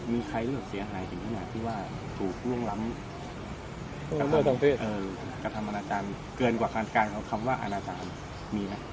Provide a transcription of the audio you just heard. มีใครรู้สึกเสียหายถึงขนาดที่ว่าถูกล่วงล้ำกระทำอนาจารย์เกินกว่าการของคำว่าอาณาจารย์มีไหม